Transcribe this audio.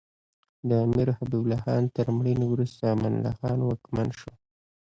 د امیر حبیب الله خان تر مړینې وروسته امان الله خان واکمن شو.